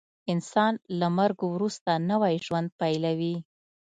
انسان له مرګ وروسته نوی ژوند پیلوي